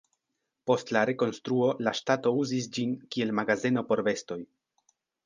Post la rekonstruo la ŝtato uzis ĝin, kiel magazeno por vestoj.